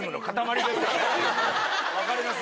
分かります。